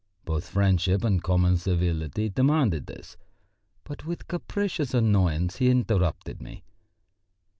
Both friendship and common civility demanded this. But with capricious annoyance he interrupted me.